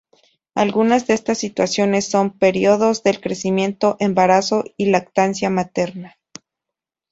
Algunas de estas situaciones son: periodos de crecimiento, embarazo y lactancia materna.